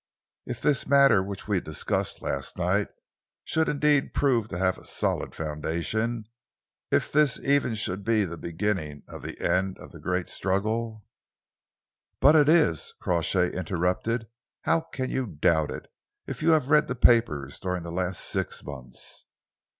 If this matter which we discussed last night should indeed prove to have a solid foundation, if this even should be the beginning of the end of the great struggle " "But it is," Crawshay interrupted. "How can you doubt it if you have read the papers during the last six months?"